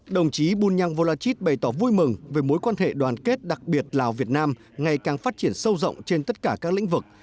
đồng chí bunyang volachit bày tỏ vui mừng về mối quan hệ đoàn kết đặc biệt lào việt nam ngày càng phát triển sâu rộng trên tất cả các lĩnh vực